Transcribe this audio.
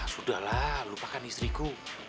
sudahlah lupakan istriku